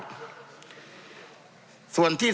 จำนวนเนื้อที่ดินทั้งหมด๑๒๒๐๐๐ไร่